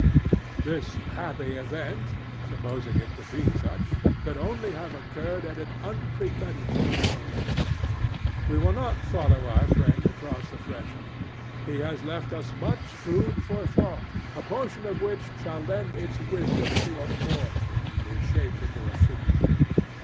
This happy event—supposing it to be such—could only have occurred at an unpremeditated moment. We will not follow our friend across the threshold. He has left us much food for thought, a portion of which shall lend its wisdom to a moral and be shaped into a figure.